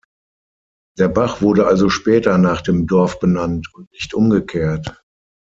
Der Bach wurde also später nach dem Dorf benannt und nicht umgekehrt.